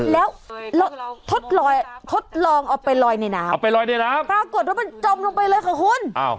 แล้วทดลองออกไปลอยในน้ำปรากฏว่ามันจมลงไปเลยค่ะคุณ